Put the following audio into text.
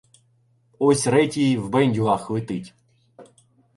Ось Ретій в бендюгах летить!